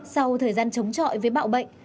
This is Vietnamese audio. sau thời gian chống trọi với bạo bệnh